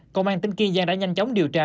công an tỉnh kiên giang đã nhanh chóng điều tra